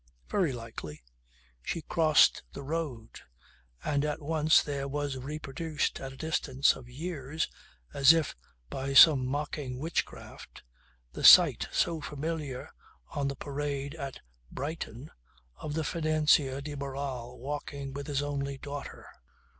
Very likely. She crossed the road and at once there was reproduced at a distance of years, as if by some mocking witchcraft, the sight so familiar on the Parade at Brighton of the financier de Barral walking with his only daughter.